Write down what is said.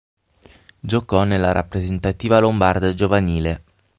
Giocò nella rappresentativa lombarda giovanile.